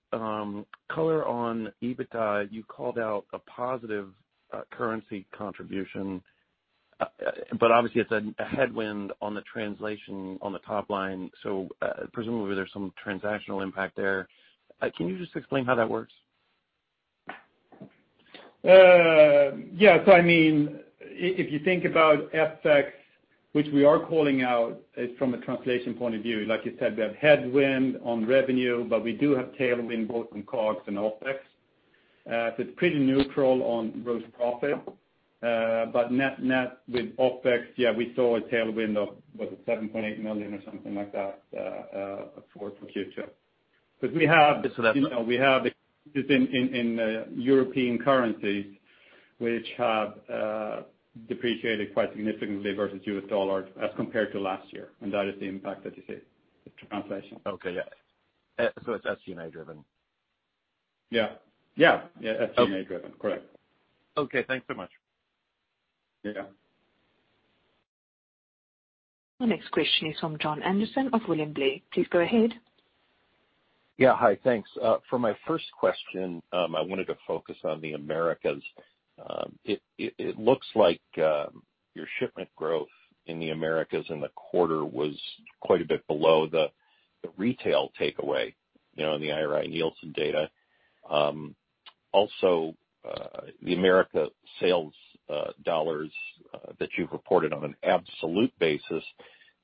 S9: color on EBITDA. You called out a positive currency contribution. Obviously it's a headwind on the translation on the top line. Presumably there's some transactional impact there. Can you just explain how that works?
S4: I mean, if you think about FX, which we are calling out, is from a translation point of view. Like you said, we have headwind on revenue, but we do have tailwind both on COGS and OpEx. It's pretty neutral on gross profit. But net with OpEx, yeah, we saw a tailwind of, was it 7.8 million or something like that, for Q2. But we have-
S9: Just so that-
S4: You know, we have it in the European currencies, which have depreciated quite significantly versus U.S. dollar as compared to last year. That is the impact that you see, the translation.
S9: Okay, yeah. It's SG&A driven.
S4: Yeah, SG&A driven. Correct.
S9: Okay. Thanks so much.
S3: Yeah.
S1: Our next question is from Jon Andersen of William Blair. Please go ahead.
S10: Yeah. Hi. Thanks. For my first question, I wanted to focus on the Americas. It looks like your shipment growth in the Americas in the quarter was quite a bit below the retail takeaway, you know, in the IRI and Nielsen data. Also, the Americas sales dollars that you've reported on an absolute basis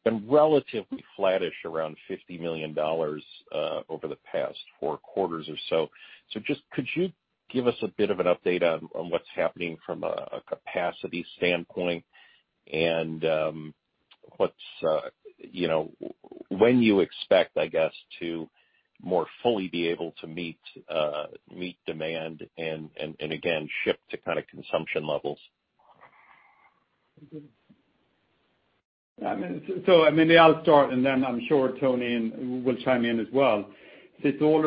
S10: been relatively flattish around $50 million over the past four quarters or so. Just could you give us a bit of an update on what's happening from a capacity standpoint and what's you know when you expect, I guess, to more fully be able to meet demand and again, ship to kind of consumption levels?
S4: I mean, I'll start, and then I'm sure Toni will chime in as well. It's all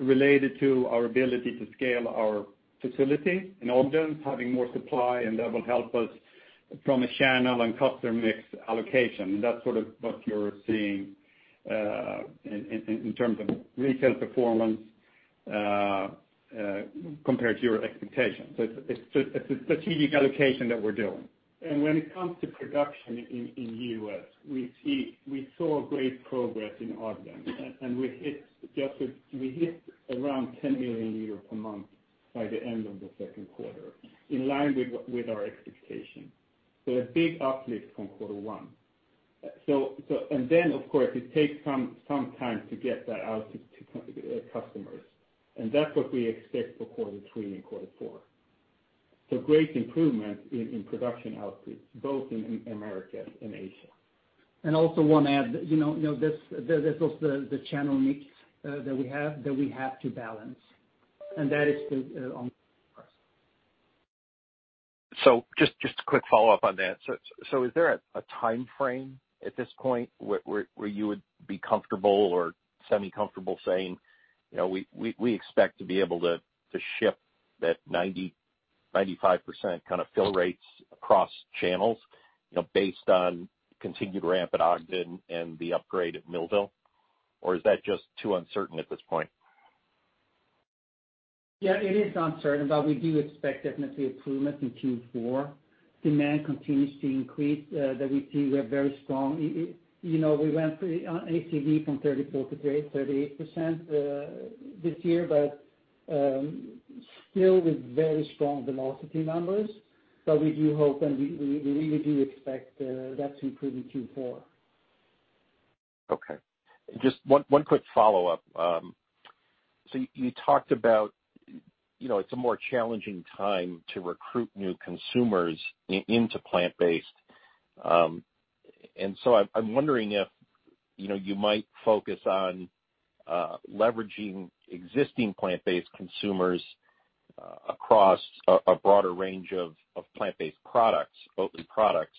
S4: related to our ability to scale our facility in Ogden, having more supply, and that will help us from a channel and customer mix allocation. That's sort of what you're seeing in terms of retail performance compared to your expectations. It's a strategic allocation that we're doing.
S11: When it comes to production in the U.S., we saw great progress in Ogden, and we hit around 10 million L a month by the end of the second quarter, in line with our expectation. A big uplift from quarter one. Of course, it takes some time to get that out to customers. That's what we expect for quarter three and quarter four. Great improvement in production output, both in America and Asia.
S3: Also wanna add, you know, this, there's also the channel mix that we have to balance, and that is the on.
S10: Just a quick follow-up on that. Is there a timeframe at this point where you would be comfortable or semi-comfortable saying, you know, we expect to be able to ship that 90%-95% kind of fill rates across channels, you know, based on continued ramp at Ogden and the upgrade at Millville? Or is that just too uncertain at this point?
S3: Yeah, it is uncertain, but we do expect definitely improvement in Q4. Demand continues to increase that we see we're very strong. You know, we went on ACV from 34% to 38% this year, but still with very strong velocity numbers. We do hope, and we really do expect that to improve in Q4.
S10: Okay. Just one quick follow-up. You talked about, you know, it's a more challenging time to recruit new consumers into plant-based. I'm wondering if, you know, you might focus on leveraging existing plant-based consumers across a broader range of plant-based products, Oatly products,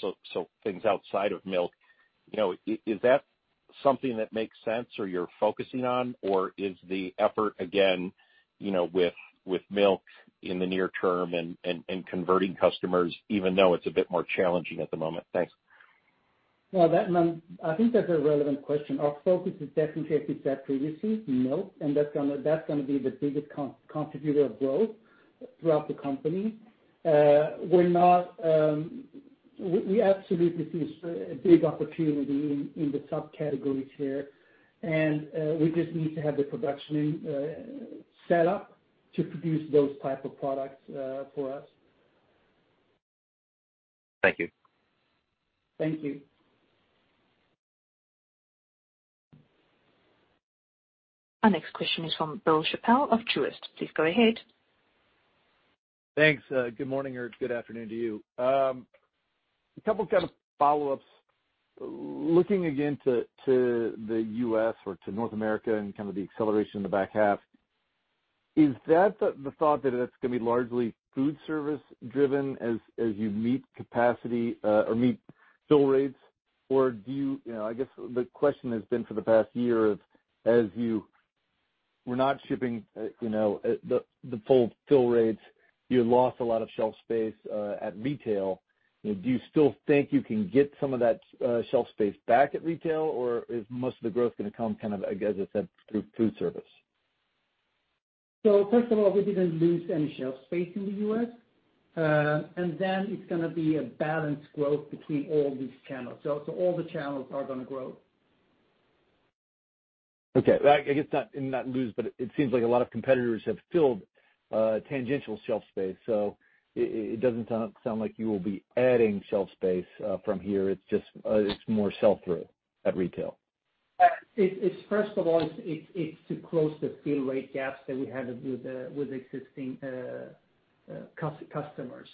S10: so things outside of milk. You know, is that something that makes sense or you're focusing on, or is the effort again, you know, with milk in the near term and converting customers even though it's a bit more challenging at the moment? Thanks.
S3: Well, that's a relevant question. Our focus is definitely as we said previously, milk, and that's gonna be the biggest contributor of growth throughout the company. We're not. We absolutely see a big opportunity in the subcategories here, and we just need to have the production set up to produce those type of products for us.
S10: Thank you.
S3: Thank you.
S1: Our next question is from Bill Chappell of Truist. Please go ahead.
S12: Thanks. Good morning or good afternoon to you. A couple kind of follow-ups. Looking again to the U.S. or to North America and kind of the acceleration in the back half, is that the thought that it's gonna be largely food service driven as you meet capacity or meet fill rates? Or do you know, I guess the question has been for the past year as you were not shipping, you know, the full fill rates, you lost a lot of shelf space at retail. Do you still think you can get some of that shelf space back at retail, or is most of the growth gonna come kind of, I guess, as I said, through food service?
S3: First of all, we didn't lose any shelf space in the U.S. It's gonna be a balanced growth between all these channels. All the channels are gonna grow.
S12: Okay. I guess not lose, but it seems like a lot of competitors have filled tangential shelf space. It doesn't sound like you will be adding shelf space from here. It's just more sell-through at retail.
S3: It's first of all to close the fill rate gaps that we had with existing customers.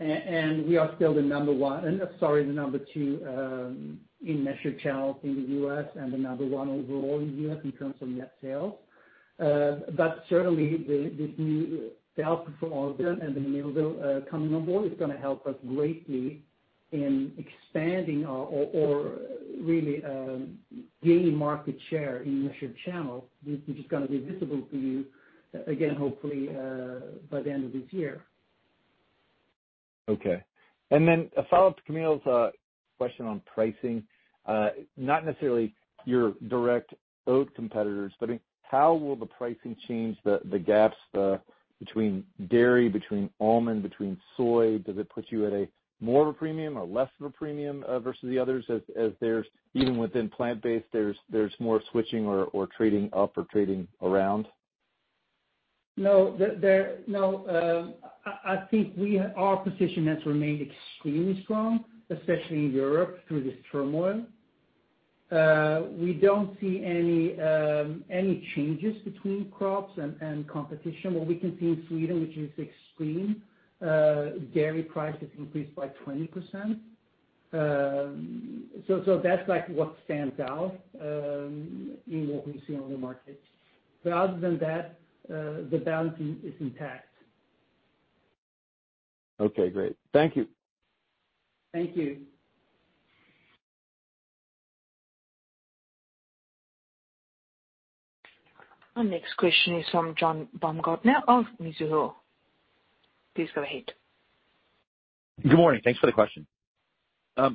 S3: We are still the number one... Sorry, the number two in measured channels in the U.S. and the number one overall in the U.S. in terms of net sales. Certainly the new help from Ogden and the Millville coming on board is gonna help us greatly in expanding or really gaining market share in the measured channel, which is gonna be visible for you again, hopefully by the end of this year.
S12: Okay. A follow-up to Kaumil's question on pricing. Not necessarily your direct oat competitors, but how will the pricing change the gaps between dairy, between almond, between soy? Does it put you at a more of a premium or less of a premium versus the others as there's even within plant-based there's more switching or trading up or trading around?
S3: No. I think our position has remained extremely strong, especially in Europe through this turmoil. We don't see any changes between crops and competition. What we can see in Sweden, which is extreme, dairy prices increased by 20%. So that's like what stands out in what we see on the market. Other than that, the balance is intact.
S12: Okay, great. Thank you.
S3: Thank you.
S1: Our next question is from John Baumgartner of Mizuho. Please go ahead.
S13: Good morning. Thanks for the question. I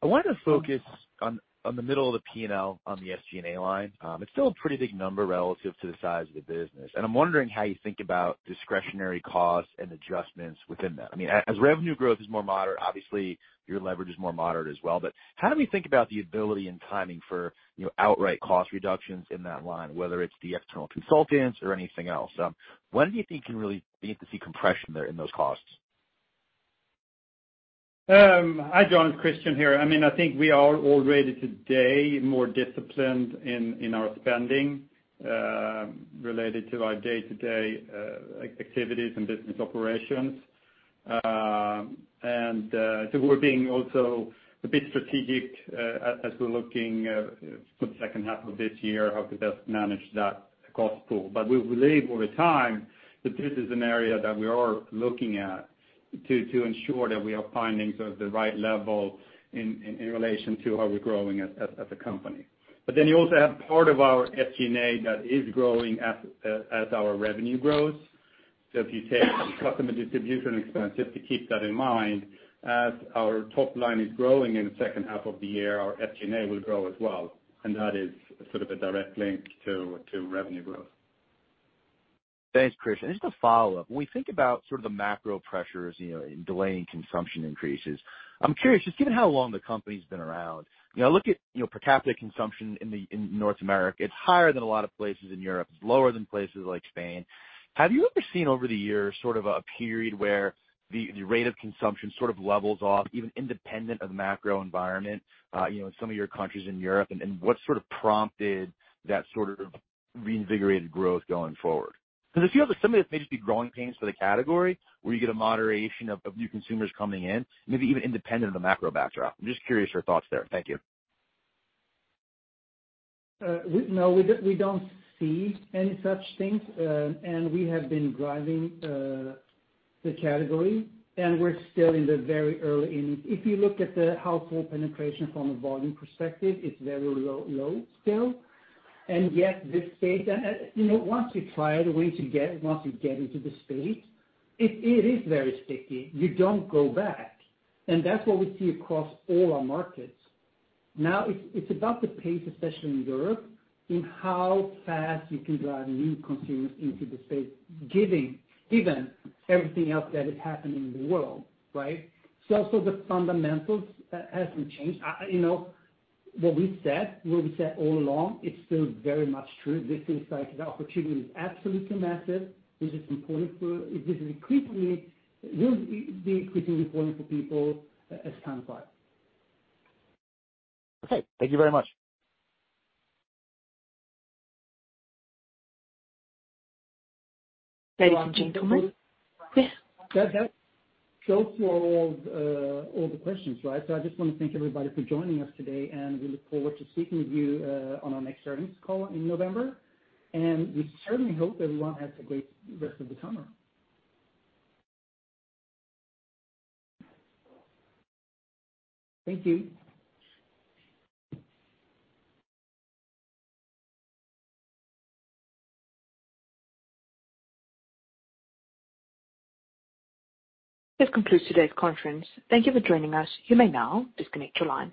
S13: wanted to focus on the middle of the P&L on the SG&A line. It's still a pretty big number relative to the size of the business, and I'm wondering how you think about discretionary costs and adjustments within that. I mean as revenue growth is more moderate, obviously your leverage is more moderate as well. How do we think about the ability and timing for, you know, outright cost reductions in that line, whether it's the external consultants or anything else? When do you think you can really begin to see compression there in those costs?
S4: Hi, John, it's Christian here. I mean, I think we are already today more disciplined in our spending related to our day-to-day activities and business operations. We're being also a bit strategic as we're looking for the second half of this year, how to best manage that cost pool. We believe over time that this is an area that we are looking at to ensure that we are finding sort of the right level in relation to how we're growing as a company. You also have part of our SG&A that is growing as our revenue grows. If you take customer distribution expense, just to keep that in mind, as our top line is growing in the second half of the year, our SG&A will grow as well. That is sort of a direct link to revenue growth.
S13: Thanks, Christian. Just a follow-up. When we think about sort of the macro pressures, you know, in delaying consumption increases, I'm curious, just given how long the company's been around, you know, look at, you know, per capita consumption in the in North America, it's higher than a lot of places in Europe. It's lower than places like Spain. Have you ever seen over the years sort of a period where the rate of consumption sort of levels off, even independent of the macro environment, you know, in some of your countries in Europe? And what sort of prompted that sort of reinvigorated growth going forward? Because I feel like some of this may just be growing pains for the category where you get a moderation of new consumers coming in, maybe even independent of the macro backdrop. I'm just curious your thoughts there. Thank you.
S3: No, we don't see any such things. We have been driving the category, and we're still in the very early innings. If you look at the household penetration from a volume perspective, it's very low still. Yet this space, you know, once you try it, once you get into the space, it is very sticky. You don't go back. That's what we see across all our markets. Now it's about the pace, especially in Europe, in how fast you can drive new consumers into the space, given everything else that is happening in the world, right? Also the fundamentals hasn't changed. You know, what we said all along, it's still very much true. This is like the opportunity is absolutely massive. This is important for This is increasingly important for people as time flies.
S13: Okay, thank you very much.
S1: Ladies and gentlemen.
S3: That's all for the questions, right? I just wanna thank everybody for joining us today, and we look forward to speaking with you on our next earnings call in November. We certainly hope everyone has a great rest of the summer. Thank you.
S1: This concludes today's conference. Thank you for joining us. You may now disconnect your lines.